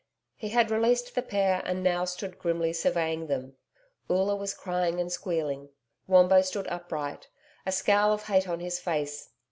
He had released the pair and now stood grimly surveying them. Oola was crying and squealing; Wombo stood upright a scowl of hate on his face.